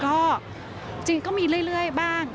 ก็จริงก็มีเรื่อยบ้าง